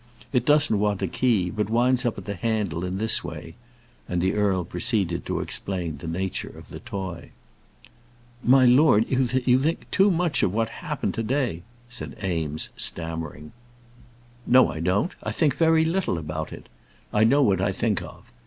It doesn't want a key, but winds up at the handle, in this way," and the earl proceeded to explain the nature of the toy. "My lord, you think too much of what happened to day," said Eames, stammering. "No, I don't; I think very little about it. I know what I think of.